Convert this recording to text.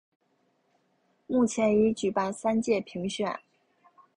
目前已举办三届评选。